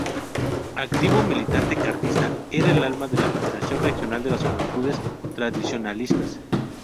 Activo militante carlista, era el alma de la Federación Regional de las Juventudes Tradicionalistas.